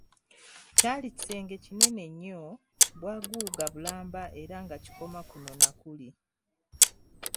Kyali kisenge kinene nnyo, bwaguuga bulamba era nga kikoma kuno na kuli.